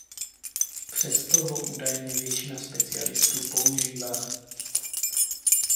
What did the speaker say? Přesto ho údajně většina specialistů používá.